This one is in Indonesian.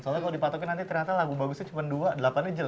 soalnya kalau dipatokin nanti ternyata lagu bagusnya cuma dua delapan aja